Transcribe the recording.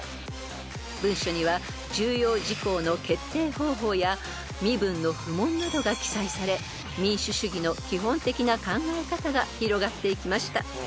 ［文書には重要事項の決定方法や身分の不問などが記載され民主主義の基本的な考え方が広がっていきました］